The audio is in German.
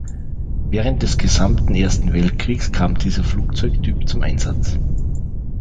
Während des gesamten Ersten Weltkriegs kam dieser Flugzeugtyp zum Einsatz.